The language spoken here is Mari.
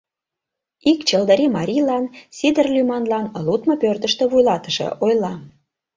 Ик чылдырий марийлан, Сидыр лӱманлан, лудмо пӧртыштӧ вуйлатыше ойла: